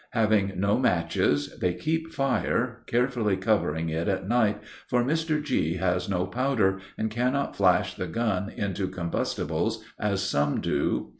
Having no matches, they keep fire, carefully covering it at night, for Mr. G. has no powder, and cannot flash the gun into combustibles as some do.